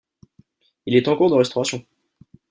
Il est en cours de restauration.